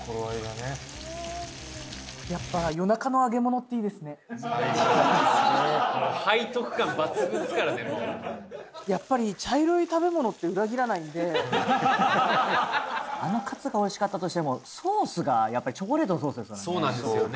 やっぱやっぱり茶色い食べ物って裏切らないんであのカツがおいしかったとしてもソースがやっぱりチョコレートのソースですからねそうなんですよね